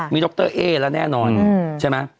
ดรเอ๊แล้วแน่นอนใช่ไหม